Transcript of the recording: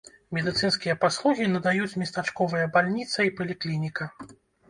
Медыцынскія паслугі надаюць местачковыя бальніца і паліклініка.